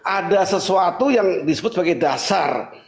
ada sesuatu yang disebut sebagai dasar